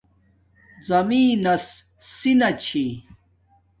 زمین نس سی نا چھِی